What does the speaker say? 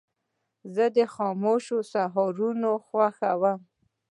زه د خاموشو سهارو خوښوم.